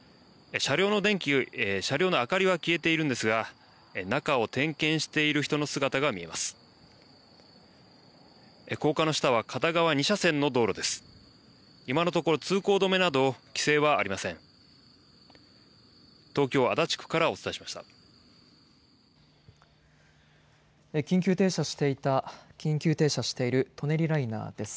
車両の電気、明かりは消えているんですが中を点検している人の姿が見られます。